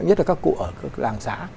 nhất là các cụ ở làng xã